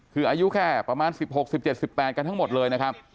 คืออายุแค่ประมาณ๑๖๑๗๑๘กันทั้งหมดเลยนะครับ